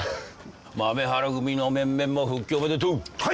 豆原組の面々も復帰おめでとう。